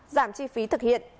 giảm chi phí thực hiện